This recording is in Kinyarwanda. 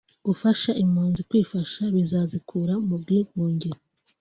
Gufasha impunzi kwifasha bizazikura mu bwigunge